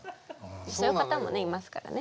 そういう方もねいますからね。